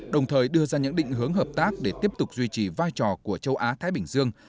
đồng thời đưa ra những định hướng hợp tác để tiếp tục duy trì vai trò của châu á thái bình dương